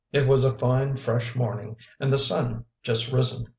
It was a fine, fresh morning, and the sun just risen.